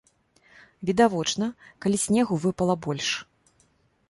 Відавочна, калі снегу выпала больш.